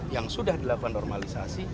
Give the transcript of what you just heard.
yang sudah dilakukan normalisasi